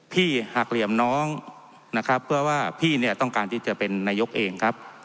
พี่หักเหลี่ยมน้องนะครับเพื่อว่าพี่เนี่ยต้องการที่จะเป็นนายกเองครับ